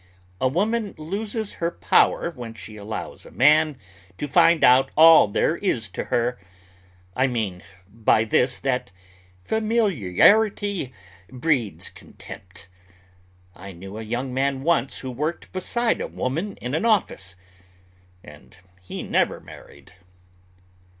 A woman loses her power when she allows a man to find out all there is to her; I mean by this that familiarity breeds contempt. I knew a young man once who worked beside a woman in an office, and he never married.